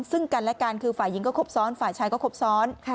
ซึ่งกันและกันคือฝ่ายหญิงก็ครบซ้อนฝ่ายชายก็ครบซ้อน